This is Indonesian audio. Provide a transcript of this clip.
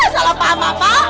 salah paham apa